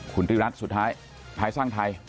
คุณทริรัฐสุดท้ายภายสร้างไทย